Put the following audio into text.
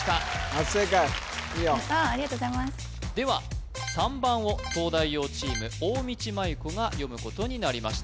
初正解いいよありがとうございますでは３番を東大王チーム大道麻優子が読むことになりました